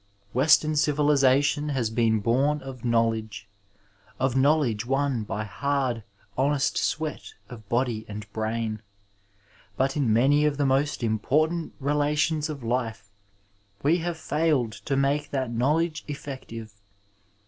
Western civilization has been born of knowledge, of know ledge won by hard, honest sweat of body and biain, but in many of the most important relations of life we have failed to make that knowledge efiective.